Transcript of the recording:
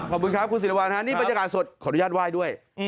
ขอบคุณครับคุณศิรวรรณฮะนี่บรรยากาศสดขออนุญาตไหว้ด้วย